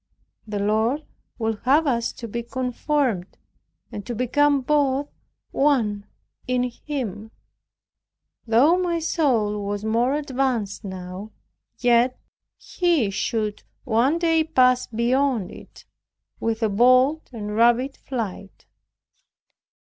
The Lord would have us to be conformed, and to become both one in Him; though my soul was more advanced now, yet he should one day pass beyond it, with a bold and rapid flight.